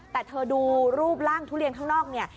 แต่เธอดูรูปร่างทุเรียนข้างนอกเนี่ย